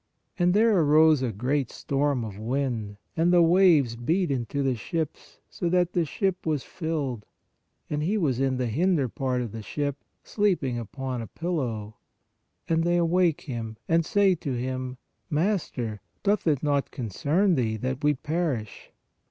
And there arose a great storm of wind, and the waves beat into the ship, so that the ship was filled. And He was in the hinder part of the ship, sleeping upon a pillow, and they awake Him, and say to Him: Master, doth it not concern Thee that we perish?